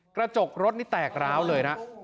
กระจกรถนี่แตกร้าวเลยนะ